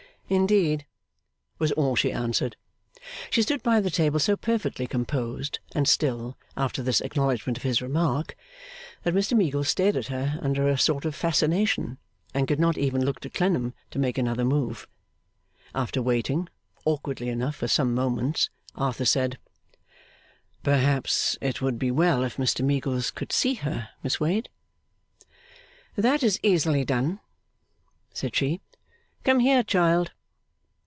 'Indeed?' was all she answered. She stood by the table so perfectly composed and still after this acknowledgment of his remark that Mr Meagles stared at her under a sort of fascination, and could not even look to Clennam to make another move. After waiting, awkwardly enough, for some moments, Arthur said: 'Perhaps it would be well if Mr Meagles could see her, Miss Wade?' 'That is easily done,' said she. 'Come here, child.